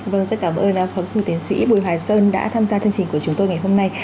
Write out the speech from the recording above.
vâng rất cảm ơn phó sư tiến sĩ bùi hoài sơn đã tham gia chương trình của chúng tôi ngày hôm nay